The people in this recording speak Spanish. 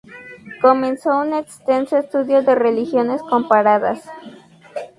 Comenzó un extenso estudio de religiones comparadas.